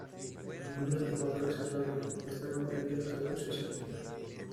El número de jugadores es variable y está comprendido entre dos y seis.